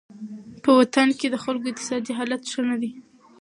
په وطن کې د خلکو اقتصادي حالت ښه نه دی.